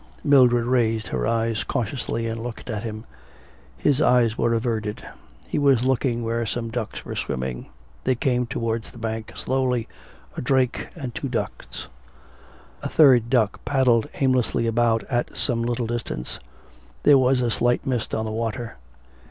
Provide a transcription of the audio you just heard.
Mildred raised her eyes cautiously and looked at him. His eyes were averted. He was looking where some ducks were swimming. They came towards the bank slowly a drake and two ducks. A third duck paddled aimlessly about at some little distance. There was a slight mist on the water.